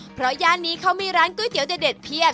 เพราะย่านนี้เขามีร้านก๋วยเตี๋ยวเด็ดเพียบ